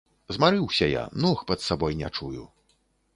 Змарыўся я, ног пад сабой не чую.